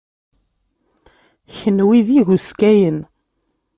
Kenwi d ihuskayen.